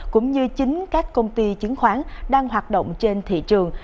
cũng như chính các công ty chứng khoán đang hoạt động trên thị trường